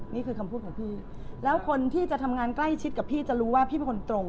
นี่คือคำพูดของพี่แล้วคนที่จะทำงานใกล้ชิดกับพี่จะรู้ว่าพี่เป็นคนตรง